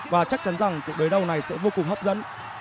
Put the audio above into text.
và chắc chắn rằng cuộc đối đầu này sẽ vô cùng hấp dẫn